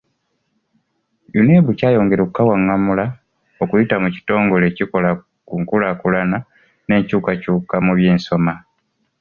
UNEB kyayongera okukawangamula okuyita mu kitongole ekikola ku nkulaakulana n’enkyukakyuka mu by’ensoma.